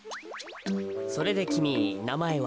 それできみなまえは？